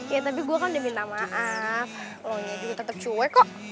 ya tapi gue kan udah minta maaf lo nya juga tetep cewek kok